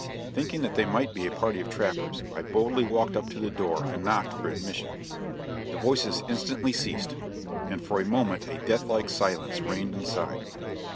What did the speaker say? Thinking that they might be a party of trappers, I boldly walked up to the door and knocked for admission. The voices instantly ceased, and for a moment a deathlike silence reigned inside.